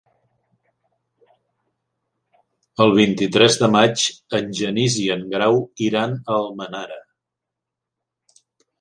El vint-i-tres de maig en Genís i en Grau iran a Almenara.